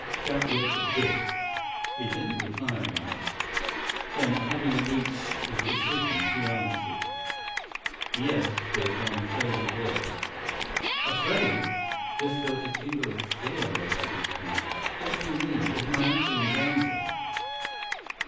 Jack looked at Biff. He didn't reply at once. Then, having reached his decision, he answered. "Yes, Biff. I'm afraid it was." "Afraid?" Biff felt a tingle of fear race up his spine. "What do you mean? Is my uncle in danger?"